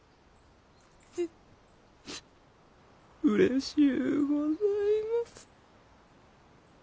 うれしうございます。